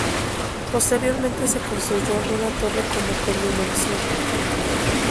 Posteriormente se construyó una torre como conmemoración.